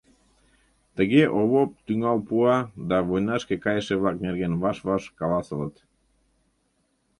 Тыге Овоп тӱҥал пуа, да войнашке кайыше-влак нерген ваш-ваш каласылыт.